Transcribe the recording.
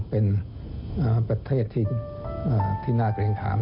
เป็นประเทศที่น่าเกรงถาม